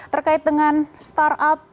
terkait dengan start up